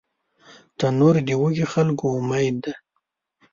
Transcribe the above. تنور د وږي خلکو امید دی